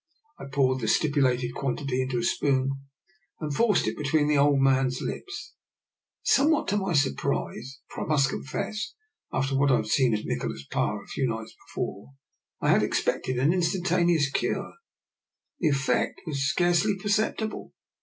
I poured the stipulated quan tity into a spoon and forced it between the old man's lips. Somewhat to my surprise — for I must confess, after what I had seen of Nikola's power a few nights before, I had expected an instantaneous cure — the effect was scarcely perceptible.